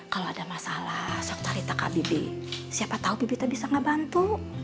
kalau ada masalah sok tari tak kak bibi siapa tahu bibi tak bisa ngebantu